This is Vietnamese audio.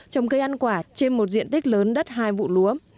trồng cây ăn quả trên một diện tích lớn đất hai vụ lúa